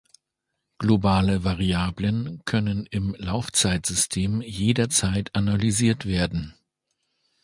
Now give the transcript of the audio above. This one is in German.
Globale Variablen können im Laufzeitsystem jederzeit analysiert werden.